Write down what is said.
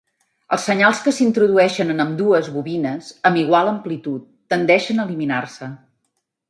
Els senyals que s'introdueixen en ambdues bobines amb igual amplitud tendeixen a eliminar-se.